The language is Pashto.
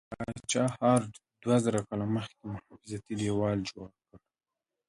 پاچا هرډ دوه زره کاله مخکې محافظتي دیوال جوړ کړ.